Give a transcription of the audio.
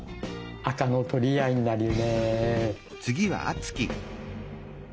赤の取り合いになるね。